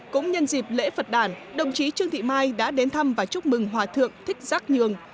cũng nhân dịp lễ phật đàn đồng chí trương thị mai đã đến thăm và chúc mừng hòa thượng thích giác nhường